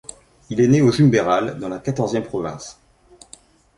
Il est né à Zumberval, dans la Quatorzième Province.